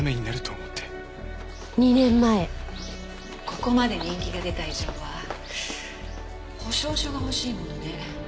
ここまで人気が出た以上は保証書が欲しいものね。